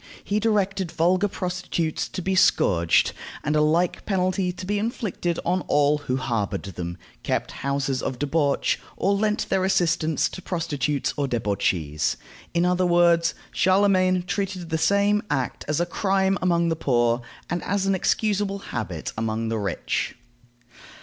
He directed vulgar prostitutes to be scourged, and a like penalty to be inflicted on all who harbored them, kept houses of debauch, or lent their assistance to prostitutes or debauchees. In other words, Charlemagne treated the same act as a crime among the poor, and as an excusable habit among the rich.